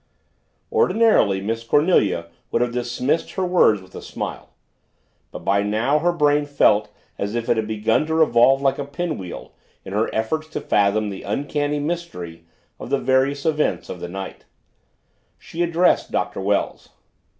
Ordinarily Miss Cornelia would have dismissed her words with a smile. But by now her brain felt as if it had begun to revolve like a pinwheel in her efforts to fathom the uncanny mystery of the various events of the night. She addressed Doctor Wells.